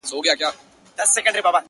زما كيسه به ښايي نه وي د منلو،